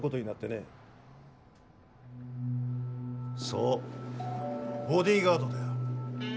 そうボディーガードだよ。